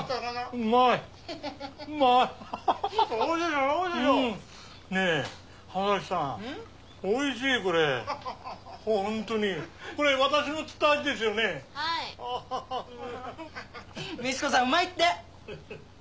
うまいって！